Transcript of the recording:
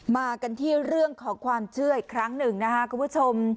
มากันที่เรื่องของความเชื่ออีกครั้งหนึ่งนะครับคุณผู้ชม